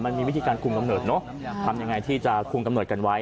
มันมีวิธีการคุมกำเนิดเนอะทำยังไงที่จะคุมกำเนิดกันไว้